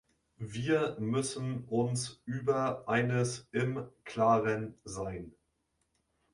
Wir müssen uns über eines im klaren sein.